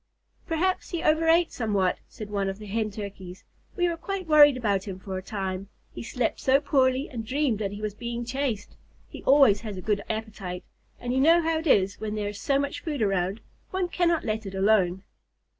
"Perhaps he overate somewhat," said one of the Hen Turkeys. "We were quite worried about him for a time. He slept so poorly and dreamed that he was being chased. He always has a good appetite, and you know how it is when there is so much food around. One cannot let it alone."